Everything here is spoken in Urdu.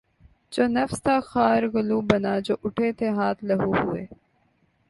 جو نفس تھا خار گلو بنا جو اٹھے تھے ہاتھ لہو ہوئے